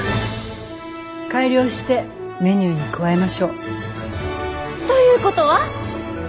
改良してメニューに加えましょう。ということは？